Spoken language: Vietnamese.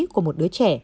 của một đứa trẻ